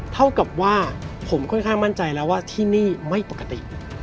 เท่ากับว่าผมค่อนข้างมั่นใจแล้วว่าที่นี่ไม่ปกติ